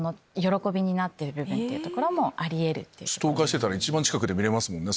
ストーカーしてたら一番近くで見れますもんね